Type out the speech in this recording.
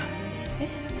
えっ？